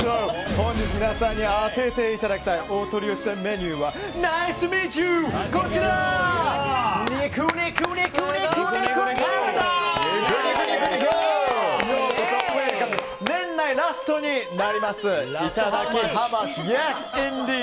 本日、皆さんに当てていただきたいお取り寄せメニューはナイス・トゥー・ミート・ユー！